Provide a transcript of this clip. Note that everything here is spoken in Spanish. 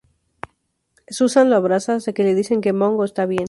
Susan lo abraza, hasta que le dicen que Bongo está bien.